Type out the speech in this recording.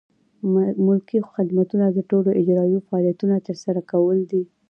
ملکي خدمتونه د ټولو اجرایوي فعالیتونو ترسره کول دي.